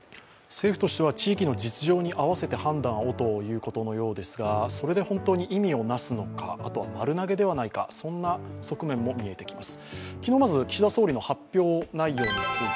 政府としては地域の実情に合わせて判断をということのようですがそれで本当に意味をなすのか、あとは、丸投げではないか、そんな側面も見えてきます。